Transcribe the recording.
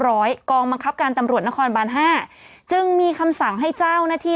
กองบังคับการตำรวจนครบานห้าจึงมีคำสั่งให้เจ้าหน้าที่